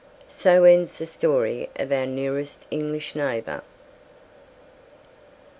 So ends the story of our nearest English neighbour.